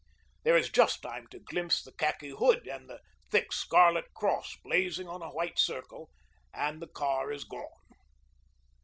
There is just time to glimpse the khaki hood and the thick scarlet cross blazing on a white circle, and the car is gone.